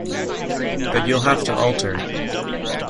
But you’ll have to alter.